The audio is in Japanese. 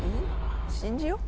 信じよう。